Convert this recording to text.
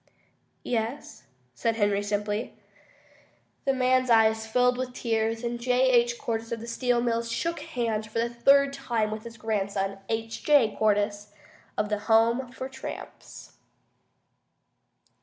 "Yes," said Henry, simply. The man's eyes filled with tears, and J. H. Cordyce of the Steel Mills shook hands for the third time with his grandson, H. J. Cordyce of the Home for Tramps.